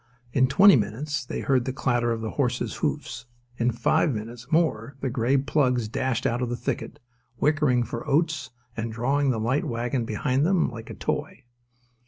In twenty minutes they heard the clatter of the horses' hoofs: in five minutes more the grey plugs dashed out of the thicket, whickering for oats and drawing the light wagon behind them like a toy.